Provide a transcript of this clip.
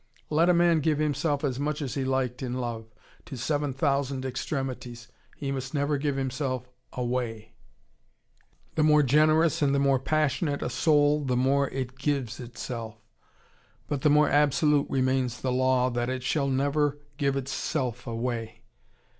Let a man give himself as much as he liked in love, to seven thousand extremities, he must never give himself away. The more generous and the more passionate a soul, the more it gives itself. But the more absolute remains the law, that it shall never give itself away.